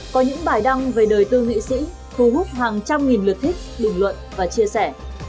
có những bài đăng về đời tư nghị sĩ thu hút hàng trăm nghìn lượt thích bình luận và chia sẻ